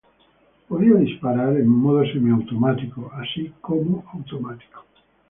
Podía disparar en modo semiautomático, así como automático.